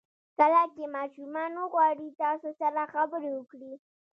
کله چې ماشومان وغواړي تاسو سره خبرې وکړي.